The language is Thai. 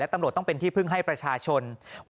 ตำรวจต้องเป็นที่พึ่งให้ประชาชน